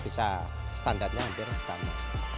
bisa standarnya hampir sama